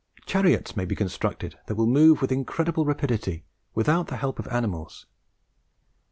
Chariots may be constructed that will move with incredible rapidity, without the help of animals.